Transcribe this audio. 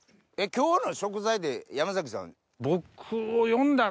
今日の食材って山崎さん？